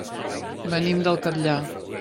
Venim del Catllar.